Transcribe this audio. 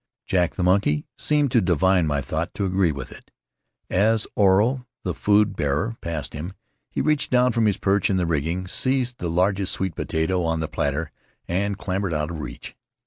Jack, the monkey, seemed to divine my thought, to agree with it. As Oro, the food bearer, passed him, he reached down from his perch in the rigging, seized the largest sweet potato on the platter, and clambered out of reach.